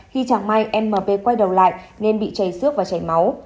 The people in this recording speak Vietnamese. khi chẳng may m p quay đầu lại nên bị chảy xước và chảy máu